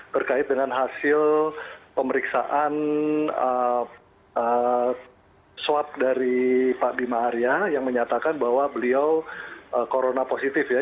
berkait dengan hasil pemeriksaan swab dari pak bima arya yang menyatakan bahwa beliau corona positif ya